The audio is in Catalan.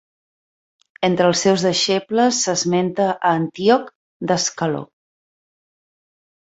Entre els seus deixebles s'esmenta a Antíoc d'Ascaló.